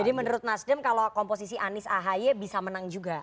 jadi menurut nasdem kalau komposisi anies ahy bisa menang juga